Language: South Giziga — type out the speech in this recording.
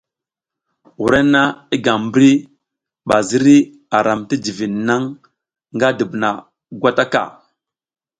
Wrenna i gam mbri ba ziri a ram ti jivid naŋ nga dubuna gwata ka.